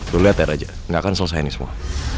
lo liat ya raja gak akan selesaini semua